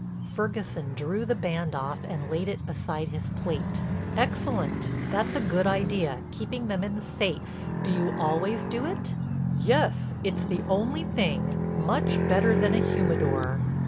Ferguson drew the band off and laid it beside his plate: "Excellent. That's a good idea—keeping them in the safe. Do you always do it?" "Yes, it's the only thing—much better than a humidor."